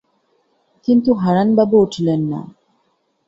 কিন্তু হারানবাবু উঠিলেন না।